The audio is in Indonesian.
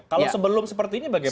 kalau sebelum seperti ini bagaimana